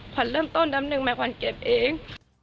ขวัญเริ่มต้นเดือนหนึ่งแม่ขวัญเก็บเอง